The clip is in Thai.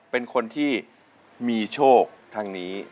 เป็นคนที่มีโชคทางนี้